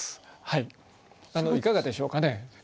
いかがでしょうかね？